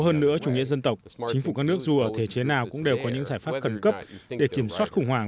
hơn nữa chủ nghĩa dân tộc chính phủ các nước dù ở thể chế nào cũng đều có những giải pháp cẩn cấp để kiểm soát khủng hoảng